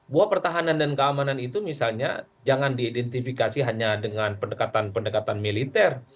bahwa pertahanan dan keamanan itu misalnya jangan diidentifikasi hanya dengan pendekatan pendekatan militer